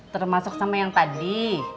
termasuk sama yang tadi